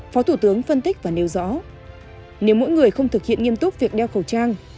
phó thủ tướng phân tích và nêu rõ nếu mỗi người không thực hiện nghiêm túc việc đeo khẩu trang